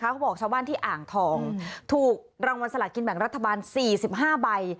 เขาบอกชาวบ้านที่อ่างทองถูกรางวัลสละกินแบ่งรัฐบาล๔๕ใบ